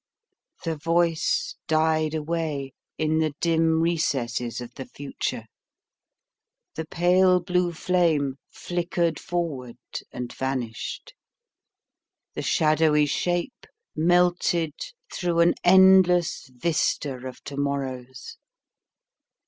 The voice died away in the dim recesses of the future. The pale blue flame flickered forward and vanished. The shadowy shape melted through an endless vista of to morrows.